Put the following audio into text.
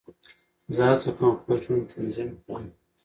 زه هڅه کوم خپل ژوند تنظیم کړم.